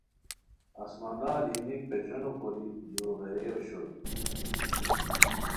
آسمانار ہیمی پیژونو کوری یُو غیرئے اوشوئے